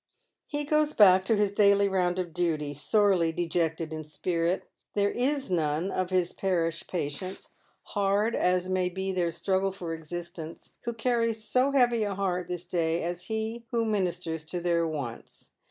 He goes back to his daily round of duty sorely dejected in spirit. There is none of liis parish patients, hard as may be their struggle for existence, who carries so heavy a heart this day as he who ministers to their wants.